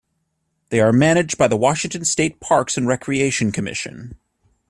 They are managed by the Washington State Parks and Recreation Commission.